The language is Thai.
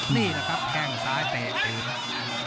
นี่นะครับแค่งซ้ายเตะ